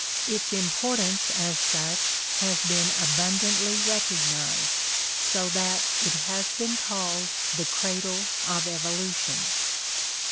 Its importance as such has been abundantly recognized, so that it has been called the "cradle of evolution."